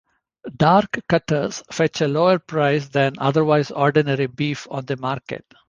Darkcutters fetch a lower price than otherwise ordinary beef on the market.